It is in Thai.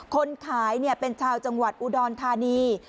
คนขายเป็นชาวจังหวัดอุดรธานี